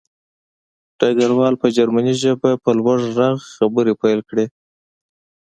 ډګروال په جرمني ژبه په لوړ غږ خبرې پیل کړې